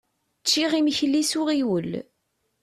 Ččiɣ imekli s uɣiwel.